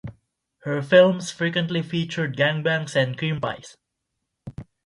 Her films frequently featured gang bangs and creampies.